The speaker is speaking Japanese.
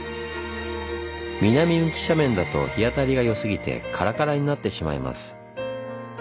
南向き斜面だと日当たりが良すぎてカラカラになってしまいます。